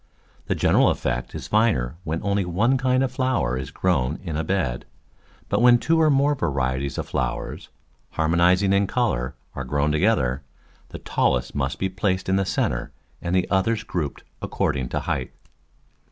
The general effect is finer when only one kind of flower is grown in a bed, but when two or more varieties of flowers, harmonis ing in colour, are grown together, the tallest must be placed in the centre and the others grouped according to height.